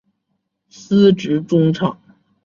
司职中场。